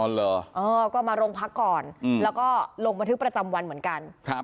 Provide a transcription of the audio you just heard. เหรอเออก็มาโรงพักก่อนแล้วก็ลงบันทึกประจำวันเหมือนกันครับ